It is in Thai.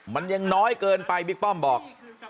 มันยังน้อยเกินไปบิ๊กป้อมบอก